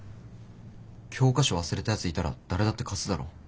教科書忘れたやついたら誰だって貸すだろ。